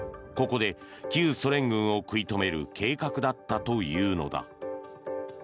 ここで旧ソ連軍を食い止める計画だったというのだ。